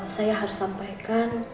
saya harus sampaikan